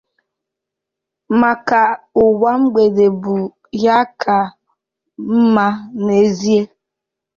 maka na ụwa mgbede bụ ya ka mma n'ezie